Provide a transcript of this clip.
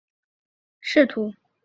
瑟雷人口变化图示